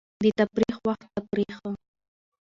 د تفریح وخت تفریح.